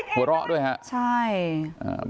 หัวเราะด้วยครับใช่